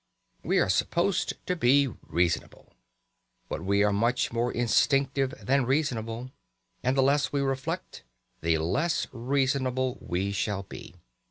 We are supposed to be reasonable but we are much more instinctive than reasonable. And the less we reflect, the less reasonable we shall be.